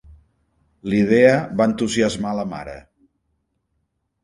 L'idea va entusiasmar a la mare.